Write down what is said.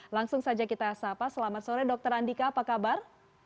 langsung saja kita sapa selamat sore dr andika apa kabar